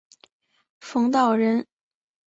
冯道人。